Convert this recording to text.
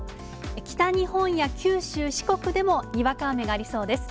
北日本や九州、四国でもにわか雨がありそうです。